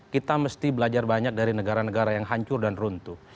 kita mesti belajar banyak dari negara negara yang hancur dan runtuh